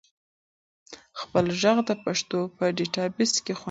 خپل ږغ د پښتو په ډیټابیس کې خوندي کړئ.